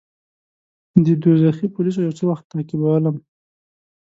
دې دوږخي پولیسو یو څه وخت تعقیبولم.